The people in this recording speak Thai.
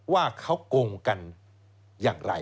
ว่าเขาโกงกันอย่างไร